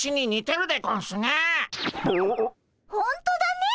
ほんとだね。